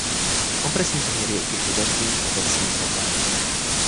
Kompresní poměr je u těchto zařízení obecně problém.